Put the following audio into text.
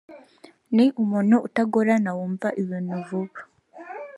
ni umuntu utagorana wumva ibintu vuba